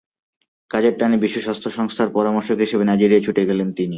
কাজের টানে বিশ্ব স্বাস্থ্য সংস্থার পরামর্শক হিসেবে নাইজেরিয়া ছুটে গেলেন তিনি।